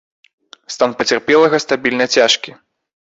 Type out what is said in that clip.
Стан пацярпелага стабільна цяжкі.